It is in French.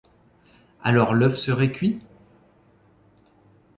Alors l’œuf serait cuit ?